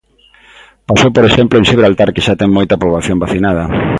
Pasou, por exemplo, en Xibraltar, que xa ten moita poboación vacinada.